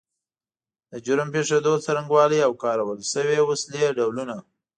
د جرم پیښېدو څرنګوالی او کارول شوې وسلې ډولونه